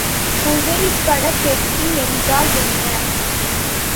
புகைப்படப்பெட்டி என்றால் என்ன?